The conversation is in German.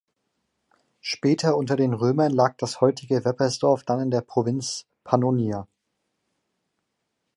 Später unter den Römern lag das heutige Weppersdorf dann in der Provinz Pannonia.